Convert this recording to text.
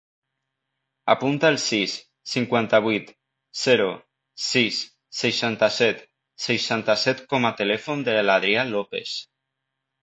Apunta el sis, cinquanta-vuit, zero, sis, seixanta-set, seixanta-set com a telèfon de l'Adrià Lopes.